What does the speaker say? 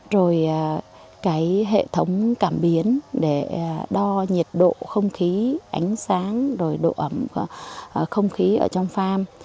rồi cái hệ thống cảm biến để đo nhiệt độ không khí ánh sáng rồi độ ẩm không khí ở trong farm